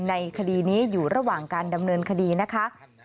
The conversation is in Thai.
ในคดีนี้อยู่ระหว่างการดำเนินคดีนะคะ